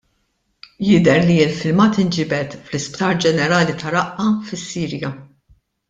Jidher li l-filmat inġibed fl-Isptar Ġenerali ta' Raqqa fis-Sirja.